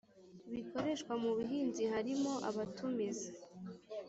bikoreshwa mu buhinzi harimo abatumiza